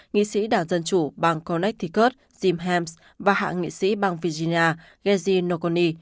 nghị sĩ đảng dân chủ bang connecticut jim hams và hạ nghị sĩ bang virginia ghezhi nogoni